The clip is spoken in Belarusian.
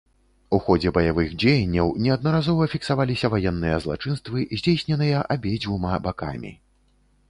У ходзе баявых дзеянняў неаднаразова фіксаваліся ваенныя злачынствы, здзяйсняныя абедзвюма бакамі.